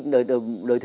sùng thiện diên linh